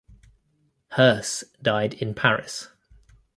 Herse died in Paris.